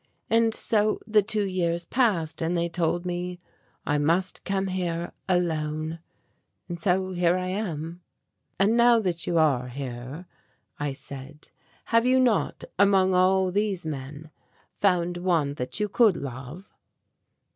And so the two years passed and they told me I must come here alone. And so here I am." "And now that you are here," I said, "have you not, among all these men found one that you could love?"